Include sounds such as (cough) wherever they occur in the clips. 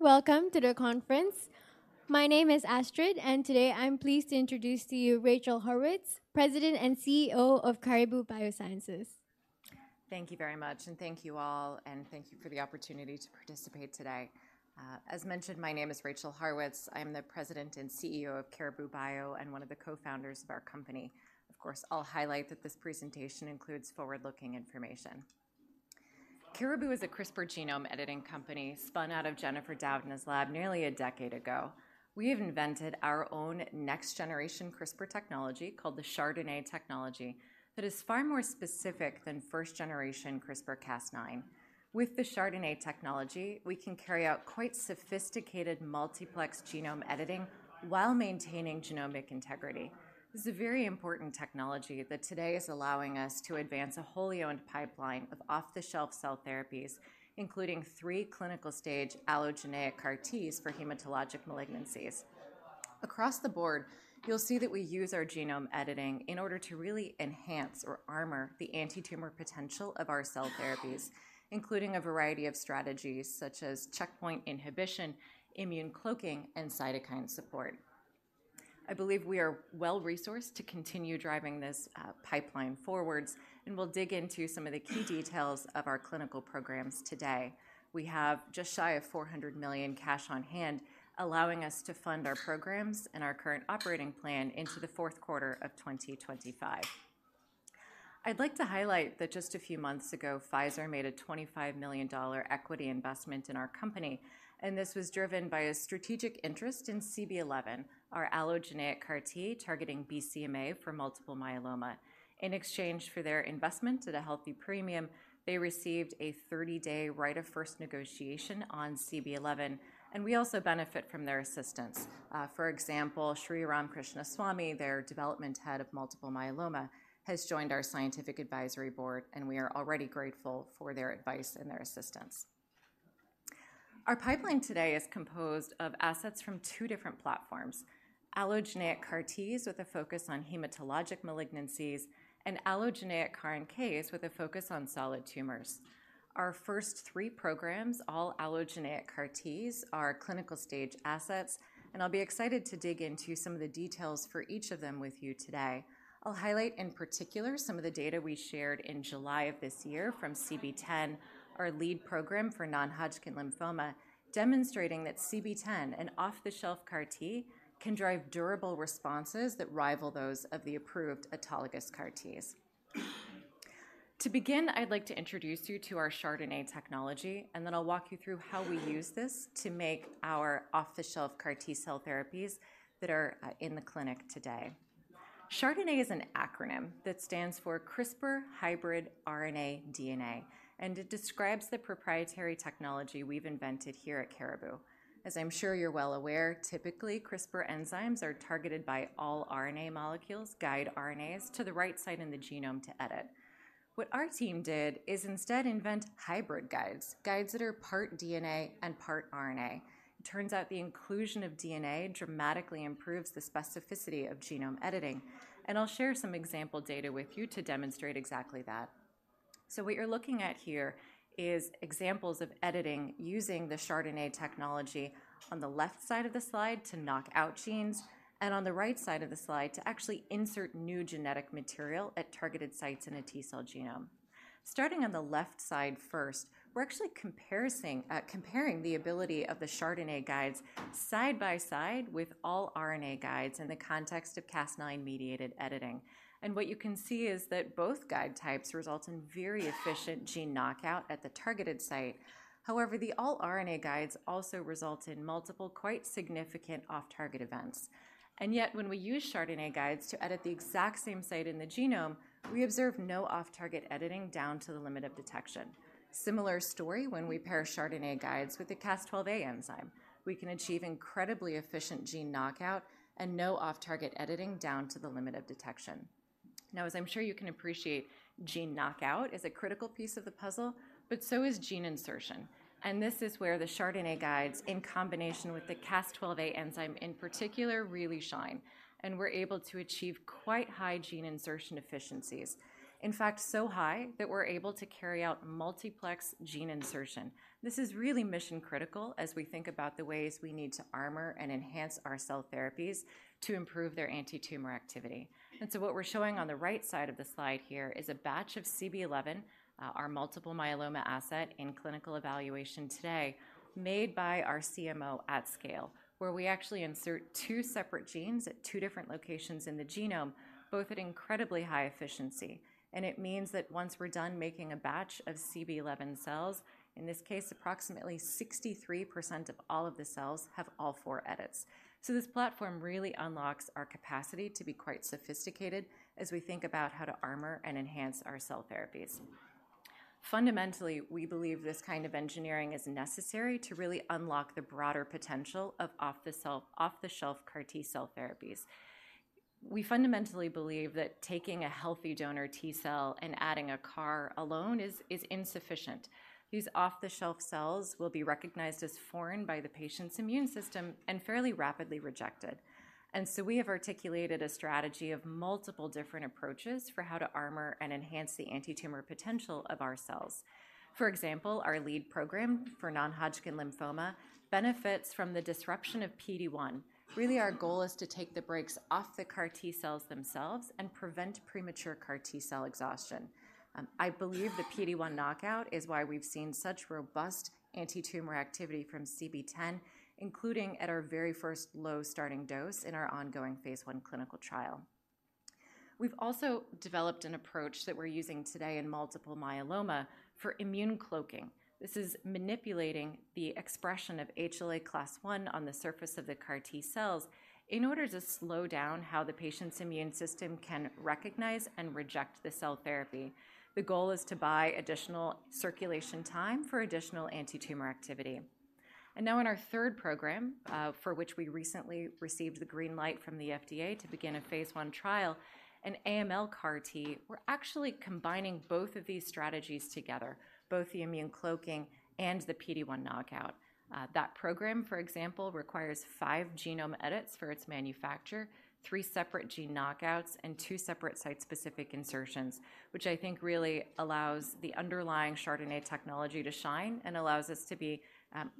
Welcome to the conference. My name is Astrid, and today I'm pleased to introduce to you Rachel Haurwitz, President and CEO of Caribou Biosciences. Thank you very much, and thank you all, and thank you for the opportunity to participate today. As mentioned, my name is Rachel Haurwitz. I'm the President and CEO of Caribou Biosciences, and one of the co-founders of our company. Of course, I'll highlight that this presentation includes forward-looking information. Caribou is a CRISPR genome editing company spun out of Jennifer Doudna's lab nearly a decade ago. We have invented our own next-generation CRISPR technology, called the chRDNA technology, that is far more specific than first-generation CRISPR-Cas9. With the chRDNA technology, we can carry out quite sophisticated multiplex genome editing while maintaining genomic integrity. This is a very important technology that today is allowing us to advance a wholly owned pipeline of off-the-shelf cell therapies, including three clinical-stage allogeneic CAR-Ts for hematologic malignancies. Across the board, you'll see that we use our genome editing in order to really enhance or armor the anti-tumor potential of our cell therapies, including a variety of strategies such as checkpoint inhibition, immune cloaking, and cytokine support. I believe we are well-resourced to continue driving this pipeline forwards, and we'll dig into some of the key details of our clinical programs today. We have just shy of $400 million cash on hand, allowing us to fund our programs and our current operating plan into the fourth quarter of 2025. I'd like to highlight that just a few months ago, Pfizer made a $25 million equity investment in our company, and this was driven by a strategic interest in CB-011, our CAR-T, targeting BCMA for multiple myeloma. In exchange for their investment at a healthy premium, they received a 30-day right of first negotiation on CB-011, and we also benefit from their assistance. For example, Sriram Krishnaswami, their Development Head of Multiple Myeloma, has joined our scientific advisory board, and we are already grateful for their advice and their assistance. Our pipeline today is composed of assets from two different platforms: allogeneic CAR-Ts, with a focus on hematologic malignancies, and allogeneic CAR NK with a focus on solid tumors. Our first three programs, all allogeneic CAR-Ts, are clinical-stage assets, and I'll be excited to dig into some of the details for each of them with you today. I'll highlight, in particular, some of the data we shared in July of this year from CB-010, our lead program for non-Hodgkin lymphoma, demonstrating that CB-010, an CAR-T, can drive durable responses that rival those of the approved CAR-Ts. to begin, I'd like to introduce you to our chRDNA technology, and then I'll walk you through how we use this to make our CAR-T cell therapies that are in the clinic today. chRDNA is an acronym that stands for CRISPR hybrid RNA-DNA, and it describes the proprietary technology we've invented here at Caribou. As I'm sure you're well aware, typically, CRISPR enzymes are targeted by all RNA molecules, guide RNAs, to the right site in the genome to edit. What our team did is instead invent hybrid guides, guides that are part DNA and part RNA. It turns out the inclusion of DNA dramatically improves the specificity of genome editing, and I'll share some example data with you to demonstrate exactly that. What you're looking at here is examples of editing using the chRDNA technology on the left side of the slide to knock out genes, and on the right side of the slide, to actually insert new genetic material at targeted sites in a T cell genome. Starting on the left side first, we're actually comparing the ability of the chRDNA guides side by side with all RNA guides in the context of Cas9 mediated editing. What you can see is that both guide types result in very efficient gene knockout at the targeted site. However, the all-RNA guides also result in multiple, quite significant off-target events. Yet, when we use chRDNA guides to edit the exact same site in the genome, we observe no off-target editing down to the limit of detection. Similar story when we pair chRDNA guides with the Cas12a enzyme. We can achieve incredibly efficient gene knockout and no off-target editing down to the limit of detection. Now, as I'm sure you can appreciate, gene knockout is a critical piece of the puzzle, but so is gene insertion, and this is where the chRDNA guides, in combination with the Cas12a enzyme in particular, really shine, and we're able to achieve quite high gene insertion efficiencies. In fact, so high that we're able to carry out multiplex gene insertion. This is really mission critical as we think about the ways we need to armor and enhance our cell therapies to improve their anti-tumor activity. And so what we're showing on the right side of the slide here is a batch of CB-011, our multiple myeloma asset in clinical evaluation today, made by our CMO at scale, where we actually insert two separate genes at two different locations in the genome, both at incredibly high efficiency. And it means that once we're done making a batch of CB-011 cells, in this case, approximately 63% of all of the cells have all four edits. So this platform really unlocks our capacity to be quite sophisticated as we think about how to armor and enhance our cell therapies. Fundamentally, we believe this kind of engineering is necessary to really unlock the broader potential of off-the-shelf, off-the-shelf CAR-T-cell therapies. We fundamentally believe that taking a healthy donor T-cell and adding a CAR alone is, is insufficient. These off-the-shelf cells will be recognized as foreign by the patient's immune system and fairly rapidly rejected. And so we have articulated a strategy of multiple different approaches for how to armor and enhance the anti-tumor potential of our cells. For example, our lead program for non-Hodgkin lymphoma benefits from the disruption of PD-1. Really, our goal is to take the brakes off the CAR-T cells themselves and prevent premature CAR-T cell exhaustion. I believe the PD-1 knockout is why we've seen such robust anti-tumor activity from CB-010, including at our very first low starting dose in our ongoing phase I clinical trial. We've also developed an approach that we're using today in multiple myeloma for immune cloaking. This is manipulating the expression of HLA class I on the surface of the CAR-T cells in order to slow down how the patient's immune system can recognize and reject the cell therapy. The goal is to buy additional circulation time for additional anti-tumor activity. Now in our third program, for which we recently received the green light from the FDA to begin a phase I trial, an AML CAR-T, we're actually combining both of these strategies together, both the immune cloaking and the PD-1 knockout. That program, for example, requires five genome edits for its manufacture, three separate gene knockouts, and two separate site-specific insertions, which I think really allows the underlying chRDNA technology to shine and allows us to be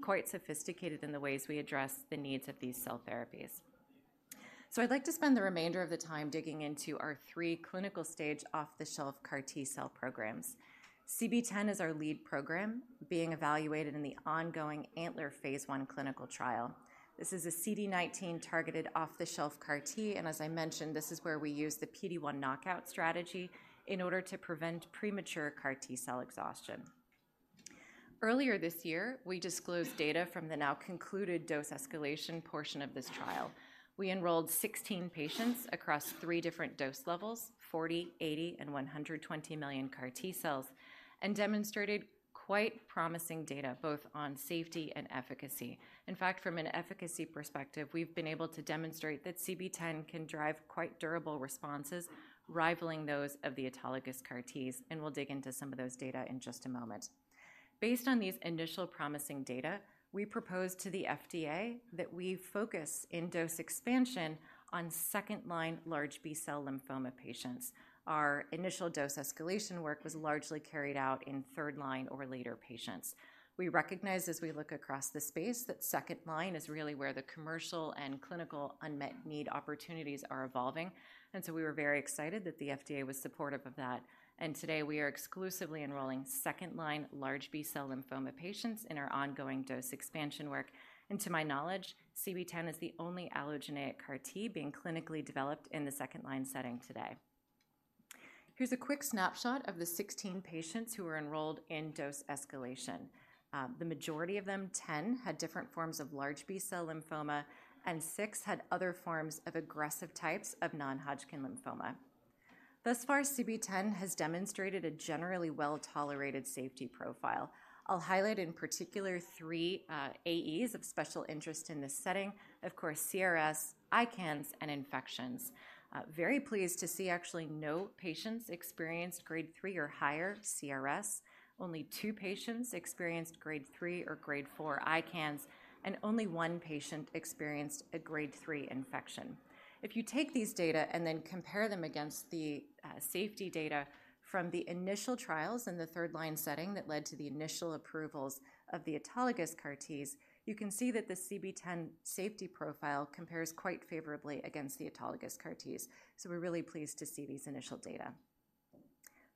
quite sophisticated in the ways we address the needs of these cell therapies. So I'd like to spend the remainder of the time digging into our three clinical-stage off-the-shelf CAR-T cell programs. CB-010 is our lead program being evaluated in the ongoing ANTLER phase I clinical trial. This is a CD19-targeted off-the-shelf CAR-T, and as I mentioned, this is where we use the PD-1 knockout strategy in order to prevent premature CAR-T cell exhaustion. Earlier this year, we disclosed data from the now concluded dose escalation portion of this trial. We enrolled 16 patients across three different dose levels: 40, 80, and 120 million CAR-T cells, and demonstrated quite promising data both on safety and efficacy. In fact, from an efficacy perspective, we've been able to demonstrate that CB-010 can drive quite durable responses, rivaling those of the autologous CAR-Ts, and we'll dig into some of those data in just a moment. Based on these initial promising data, we proposed to the FDA that we focus in dose expansion on second-line large B-cell lymphoma patients. Our initial dose escalation work was largely carried out in third-line or later patients. We recognize as we look across the space, that second-line is really where the commercial and clinical unmet need opportunities are evolving, and so we were very excited that the FDA was supportive of that. Today we are exclusively enrolling second-line large B-cell lymphoma patients in our ongoing dose expansion work. And to my knowledge, CB-010 is the only allogeneic CAR-T being clinically developed in the second-line setting today. Here's a quick snapshot of the 16 patients who were enrolled in dose escalation. The majority of them, 10, had different forms of large B-cell lymphoma, and six had other forms of aggressive types of non-Hodgkin lymphoma. Thus far, CB-010 has demonstrated a generally well-tolerated safety profile. I'll highlight, in particular, three AEs of special interest in this setting: of course, CRS, ICANS, and infections. Very pleased to see actually no patients experienced Grade 3 or higher CRS. Only two patients experienced Grade 3 or Grade 4 ICANS, and only one patient experienced a Grade 3 infection. If you take these data and then compare them against the safety data from the initial trials in the third-line setting that led to the initial approvals of the autologous CAR-Ts, you can see that the CB-010 safety profile compares quite favorably against the autologous CAR-Ts. So we're really pleased to see these initial data.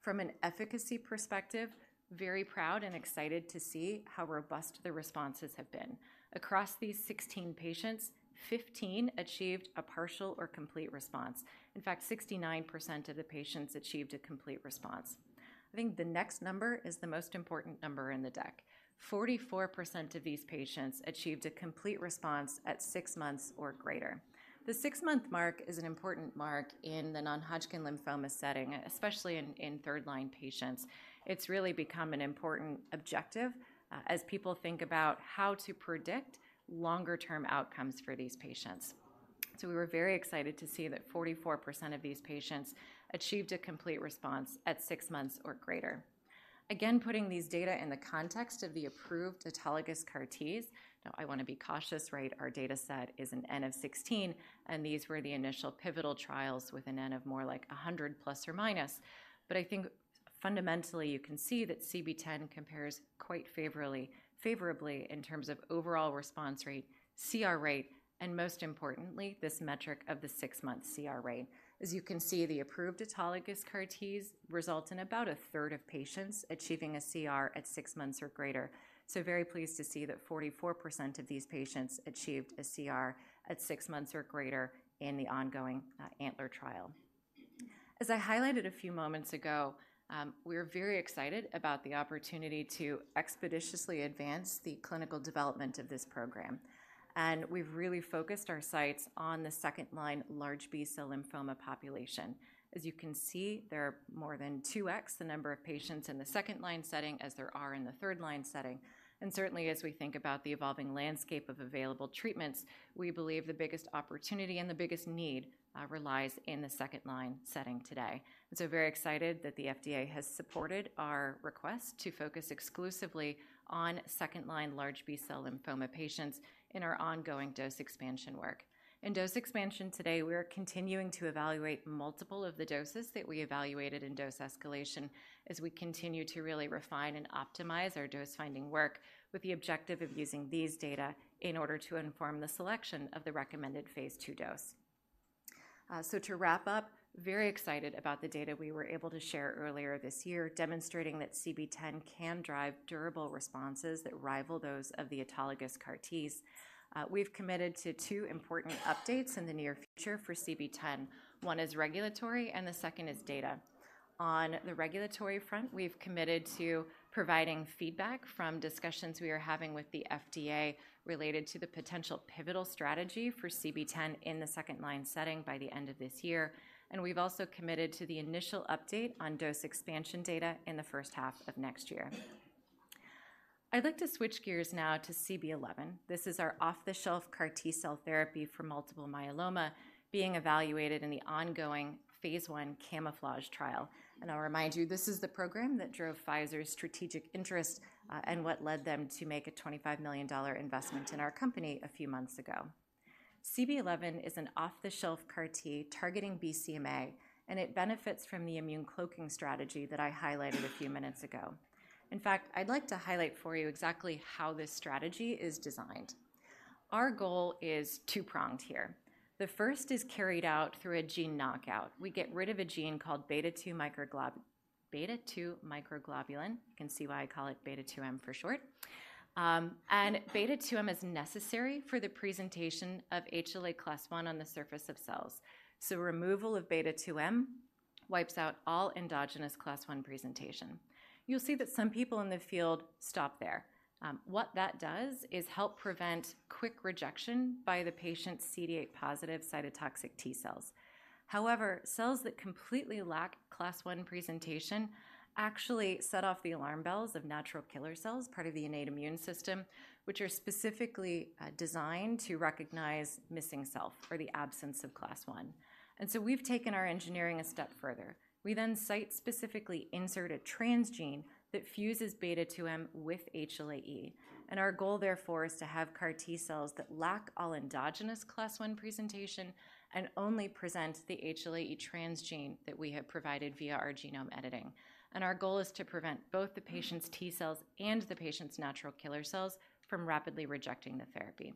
From an efficacy perspective, very proud and excited to see how robust the responses have been. Across these 16 patients, 15 achieved a partial or complete response. In fact, 69% of the patients achieved a complete response. I think the next number is the most important number in the deck. 44% of these patients achieved a complete response at six months or greater. The six-month mark is an important mark in the Non-Hodgkin lymphoma setting, especially in third-line patients. It's really become an important objective as people think about how to predict longer-term outcomes for these patients. So we were very excited to see that 44% of these patients achieved a complete response at six months or greater. Again, putting these data in the context of the approved autologous CAR-Ts. Now, I wanna be cautious, right? Our data set is an N of 16, and these were the initial pivotal trials with an N of more like 100±. But I think fundamentally you can see that CB-010 compares quite favorably, favorably in terms of overall response rate, CR rate, and most importantly, this metric of the six-month CR rate. As you can see, the approved autologous CAR-Ts result in about a third of patients achieving a CR at six months or greater. So very pleased to see that 44% of these patients achieved a CR at six months or greater in the ongoing ANTLER trial. As I highlighted a few moments ago, we're very excited about the opportunity to expeditiously advance the clinical development of this program, and we've really focused our sights on the second-line large B-cell lymphoma population. As you can see, there are more than 2x the number of patients in the second-line setting as there are in the third-line setting. Certainly, as we think about the evolving landscape of available treatments, we believe the biggest opportunity and the biggest need relies in the second-line setting today. Very excited that the FDA has supported our request to focus exclusively on second-line large B-cell lymphoma patients in our ongoing dose expansion work. In dose expansion today, we are continuing to evaluate multiple of the doses that we evaluated in dose escalation as we continue to really refine and optimize our dose-finding work, with the objective of using these data in order to inform the selection of the recommended phase II dose. So to wrap up, very excited about the data we were able to share earlier this year, demonstrating that CB-010 can drive durable responses that rival those of the autologous CAR-Ts. We've committed to two important updates in the near future for CB-010. One is regulatory, and the second is data. On the regulatory front, we've committed to providing feedback from discussions we are having with the FDA related to the potential pivotal strategy for CB-010 in the second-line setting by the end of this year, and we've also committed to the initial update on dose expansion data in the first half of next year. I'd like to switch gears now to CB-011. This is our off-the-shelf CAR-T cell therapy for multiple myeloma being evaluated in the ongoing phase I CaMMouflage trial. And I'll remind you, this is the program that drove Pfizer's strategic interest, and what led them to make a $25 million investment in our company a few months ago. CB-011 is an off-the-shelf CAR-T targeting BCMA, and it benefits from the immune cloaking strategy that I highlighted a few minutes ago. In fact, I'd like to highlight for you exactly how this strategy is designed. Our goal is two-pronged here. The first is carried out through a gene knockout. We get rid of a gene called Beta-2 microglobulin. You can see why I call it Beta-2-M for short. And Beta-2-M is necessary for the presentation of HLA class I on the surface of cells. So removal of Beta-2-M wipes out all endogenous class I presentation. You'll see that some people in the field stop there. What that does is help prevent quick rejection by the patient's CD8 positive cytotoxic T cells. However, cells that completely lack class I presentation actually set off the alarm bells of natural killer cells, part of the innate immune system, which are specifically designed to recognize missing self or the absence of class I. So we've taken our engineering a step further. We then site-specifically insert a transgene that fuses Beta-2-M with HLA-E. Our goal, therefore, is to have CAR-T cells that lack all endogenous class I presentation and only present the HLA-E transgene that we have provided via our genome editing. Our goal is to prevent both the patient's T cells and the patient's natural killer cells from rapidly rejecting the therapy.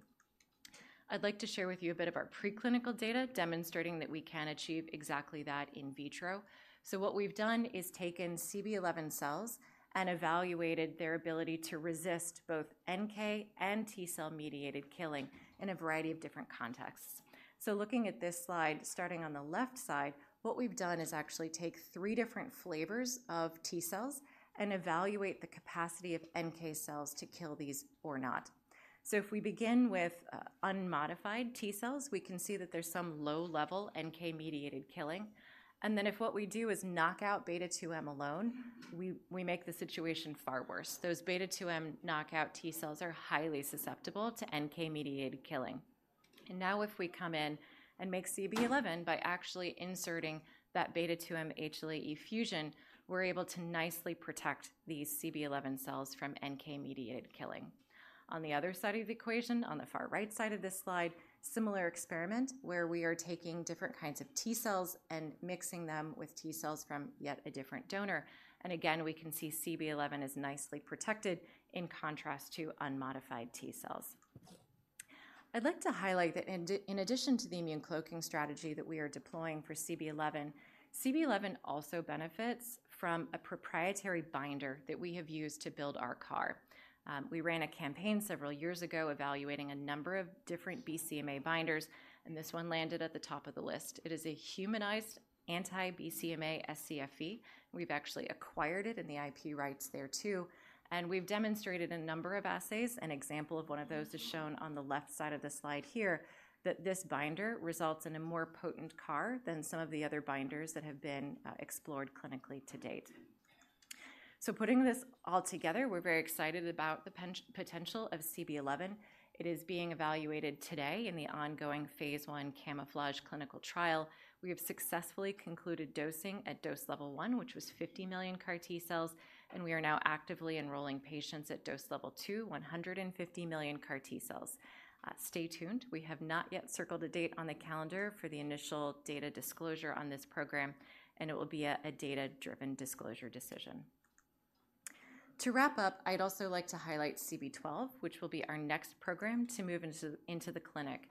I'd like to share with you a bit of our preclinical data demonstrating that we can achieve exactly that in vitro. So what we've done is taken CB-011 cells and evaluated their ability to resist both NK and T cell-mediated killing in a variety of different contexts. So looking at this slide, starting on the left side, what we've done is actually take three different flavors of T cells and evaluate the capacity of NK cells to kill these or not. So if we begin with unmodified T cells, we can see that there's some low level NK-mediated killing. And then if what we do is knock out beta-2-M alone, we make the situation far worse. Those Beta-2-M knockout T cells are highly susceptible to NK-mediated killing. And now if we come in and make CB-011 by actually inserting that Beta-2-M HLA-E fusion, we're able to nicely protect these CB-011 cells from NK-mediated killing. On the other side of the equation, on the far right side of this slide, similar experiment where we are taking different kinds of T cells and mixing them with T cells from yet a different donor. Again, we can see CB-011 is nicely protected, in contrast to unmodified T cells. I'd like to highlight that in addition to the immune cloaking strategy that we are deploying for CB-011, CB-011 also benefits from a proprietary binder that we have used to build our CAR. We ran a campaign several years ago evaluating a number of different BCMA binders, and this one landed at the top of the list. It is a humanized anti-BCMA scFv. We've actually acquired it and the IP rights there, too, and we've demonstrated a number of assays. An example of one of those is shown on the left side of the slide here, that this binder results in a more potent CAR-Than some of the other binders that have been explored clinically to date. So putting this all together, we're very excited about the potential of CB-011. It is being evaluated today in the ongoing phase I CaMMouflage clinical trial. We have successfully concluded dosing at dose level 1, which was 50 million CAR-T cells, and we are now actively enrolling patients at dose level 2, 150 million CAR-T cells. Stay tuned. We have not yet circled a date on the calendar for the initial data disclosure on this program, and it will be a data-driven disclosure decision. To wrap up, I'd also like to highlight CB-012, which will be our next program to move into the clinic.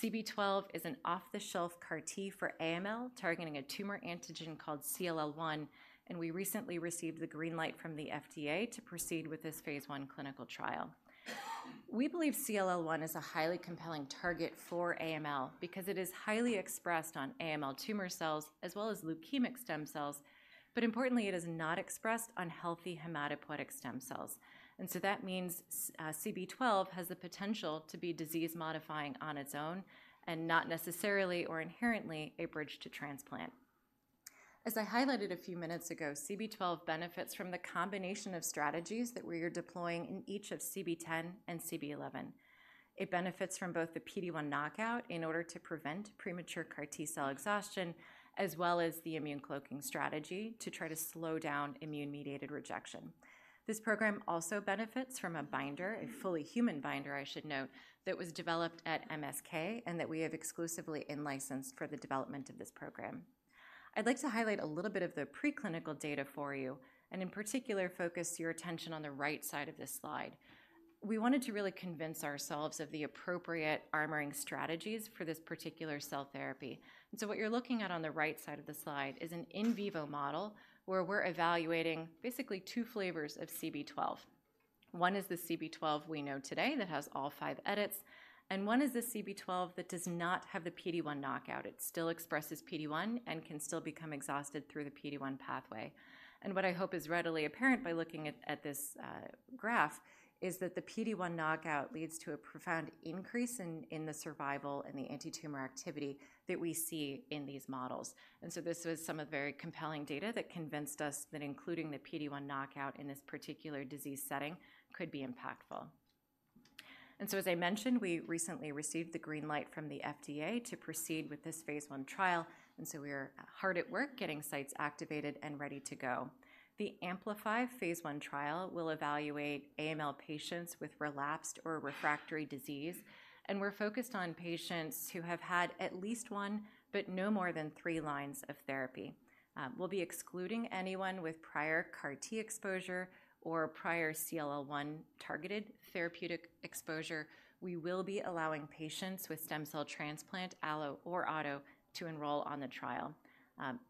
CB-012 is an off-the-shelf CAR-T for AML, targeting a tumor antigen called CLL-1, and we recently received the green light from the FDA to proceed with this phase I clinical trial. We believe CLL-1 is a highly compelling target for AML because it is highly expressed on AML tumor cells as well as leukemic stem cells, but importantly, it is not expressed on healthy hematopoietic stem cells. And so that means, CB-012 has the potential to be disease modifying on its own and not necessarily or inherently a bridge to transplant. As I highlighted a few minutes ago, CB-012 benefits from the combination of strategies that we are deploying in each of CB-010 and CB-011. It benefits from both the PD-1 knockout in order to prevent premature CAR-T cell exhaustion, as well as the immune cloaking strategy to try to slow down immune-mediated rejection. This program also benefits from a binder, a fully human binder, I should note, that was developed at MSK and that we have exclusively in-licensed for the development of this program. I'd like to highlight a little bit of the preclinical data for you, and in particular, focus your attention on the right side of this slide. We wanted to really convince ourselves of the appropriate armoring strategies for this particular cell therapy. And so what you're looking at on the right side of the slide is an in vivo model, where we're evaluating basically two flavors of CB-012. One is the CB-012 we know today that has all five edits, and one is the CB-012 that does not have the PD-1 knockout. It still expresses PD-1 and can still become exhausted through the PD-1 pathway. And what I hope is readily apparent by looking at this graph, is that the PD-1 knockout leads to a profound increase in the survival and the antitumor activity that we see in these models. This was some of the very compelling data that convinced us that including the PD-1 knockout in this particular disease setting could be impactful. As I mentioned, we recently received the green light from the FDA to proceed with this phase I trial, and so we are hard at work getting sites activated and ready to go. The AMpLify phase I trial will evaluate AML patients with relapsed or refractory disease, and we're focused on patients who have had at least one, but no more than three lines of therapy. We'll be excluding anyone with prior CAR-T exposure or prior CLL-1 targeted therapeutic exposure. We will be allowing patients with stem cell transplant, allo or auto, to enroll on the trial.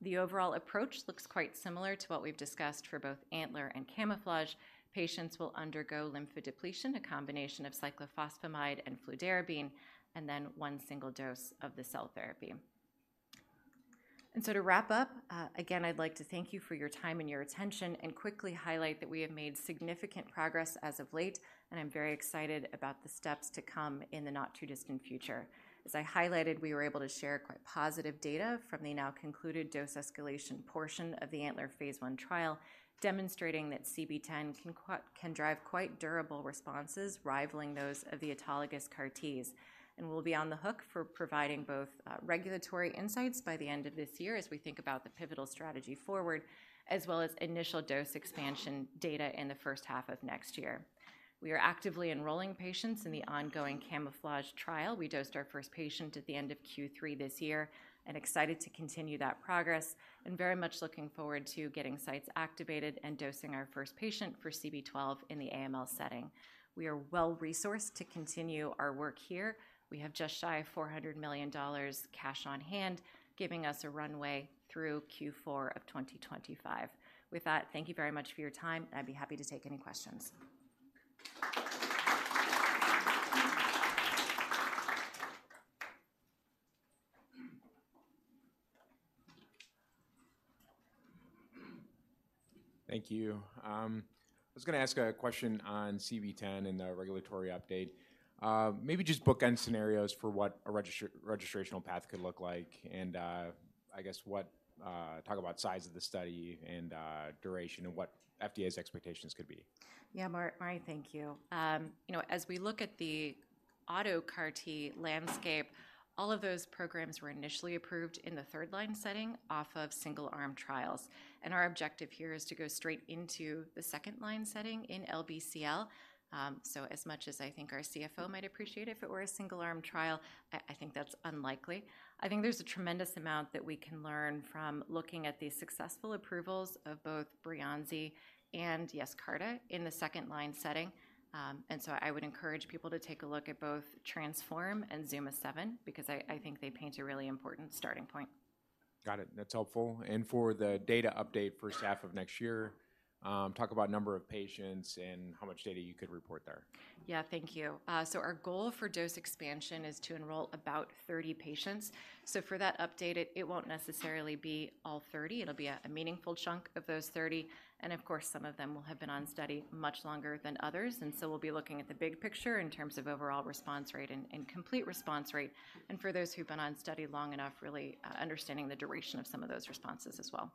The overall approach looks quite similar to what we've discussed for both ANTLER and CaMMouflage. Patients will undergo lymphodepletion, a combination of cyclophosphamide and fludarabine, and then one single dose of the cell therapy. And so to wrap up, again, I'd like to thank you for your time and your attention, and quickly highlight that we have made significant progress as of late, and I'm very excited about the steps to come in the not-too-distant future. As I highlighted, we were able to share quite positive data from the now concluded dose escalation portion of the ANTLER phase I trial, demonstrating that CB-010 can drive quite durable responses, rivaling those of the autologous CAR-Ts. And we'll be on the hook for providing both, regulatory insights by the end of this year as we think about the pivotal strategy forward, as well as initial dose expansion data in the first half of next year. We are actively enrolling patients in the ongoing CaMMouflage trial. We dosed our first patient at the end of Q3 this year, and excited to continue that progress, and very much looking forward to getting sites activated and dosing our first patient for CB-012 in the AML setting. We are well-resourced to continue our work here. We have just shy of $400 million cash on hand, giving us a runway through Q4 of 2025. With that, thank you very much for your time, and I'd be happy to take any questions. Thank you. I was gonna ask a question on CB-010 and the regulatory update. Maybe just bookend scenarios for what a registrational path could look like and, I guess what, talk about size of the study and, duration and what FDA's expectations could be. Yeah, (inaudible) thank you. You know, as we look at the autologous CAR-T landscape, all of those programs were initially approved in the third line setting off of single-arm trials. Our objective here is to go straight into the second line setting in LBCL. So as much as I think our CFO might appreciate if it were a single-arm trial, I think that's unlikely. I think there's a tremendous amount that we can learn from looking at the successful approvals of both Breyanzi and Yescarta in the second line setting. And so I would encourage people to take a look at both TRANSFORM and ZUMA-7, because I think they paint a really important starting point. Got it. That's helpful. And for the data update for half of next year, talk about number of patients and how much data you could report there. Yeah. Thank you. So our goal for dose expansion is to enroll about 30 patients. So for that update, it, it won't necessarily be all 30. It'll be a, a meaningful chunk of those 30, and of course, some of them will have been on study much longer than others. And so we'll be looking at the big picture in terms of overall response rate and, and complete response rate, and for those who've been on study long enough, really, understanding the duration of some of those responses as well.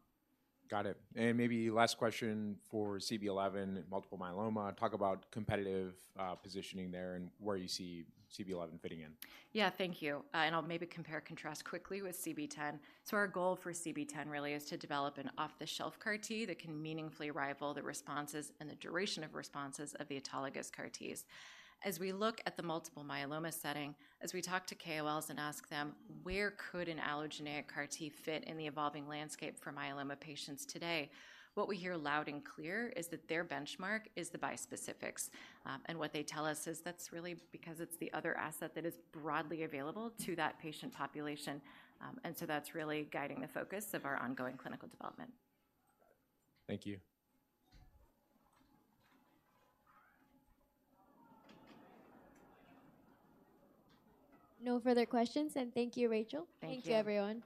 Got it. And maybe last question for CB-011 multiple myeloma. Talk about competitive positioning there and where you see CB-011 fitting in. Yeah, thank you. And I'll maybe compare and contrast quickly with CB-010. So our goal for CB-010 really is to develop an off-the-shelf CAR-T that can meaningfully rival the responses and the duration of responses of the autologous CAR-Ts. As we look at the multiple myeloma setting, as we talk to KOLs and ask them, "Where could an allogeneic CAR-T fit in the evolving landscape for myeloma patients today?" What we hear loud and clear is that their benchmark is the bispecifics. And what they tell us is that's really because it's the other asset that is broadly available to that patient population. And so that's really guiding the focus of our ongoing clinical development. Thank you. No further questions, and thank you, Rachel. Thank you. Thank you, everyone.